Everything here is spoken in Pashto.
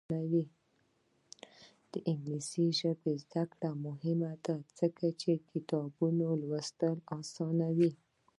د انګلیسي ژبې زده کړه مهمه ده ځکه چې کتابونه لوستل اسانوي.